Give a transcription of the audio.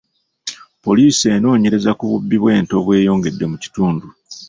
Poliisi enoonyereza ku bubbi bw'ente obweyongedde mu kitundu.